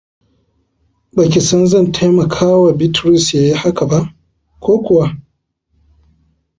Ba ki san zan taimkawa Bitrus ya yi haka ba, ko kuwa?